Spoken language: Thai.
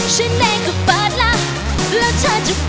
ฉันเองก็เปิดแล้ว